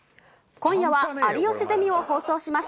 今夜は、有吉ゼミを放送します。